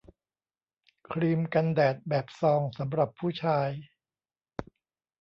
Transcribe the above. ครีมกันแดดแบบซองสำหรับผู้ชาย